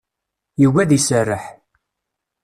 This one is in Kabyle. Yugi ad iserreḥ.